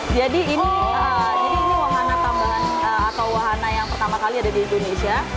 jadi ini wahana tambangan atau wahana yang pertama kali ada di indonesia